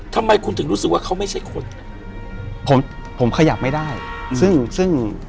ทำไมคุณถึงรู้สึกว่าเขาไม่ใช่คนผมผมขยับไม่ได้ซึ่งซึ่ง